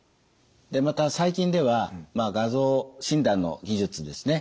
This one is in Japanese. また最近では画像診断の技術ですね